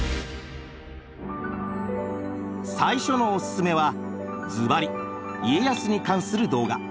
最初のおすすめはずばり家康に関する動画。